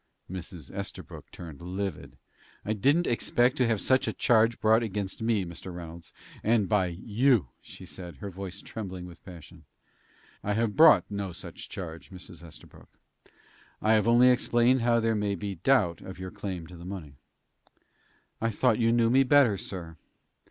Mrs. Estabrook turned livid. "I didn't expect to have such a charge brought against me, Mr. Reynolds, and by you," she said, her voice trembling with passion. "I have brought no such charge, Mrs. Estabrook. I have only explained how there may be doubt of your claim to the money." "I thought you knew me better, sir."